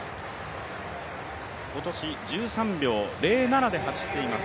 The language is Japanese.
今年１３秒０７で走っています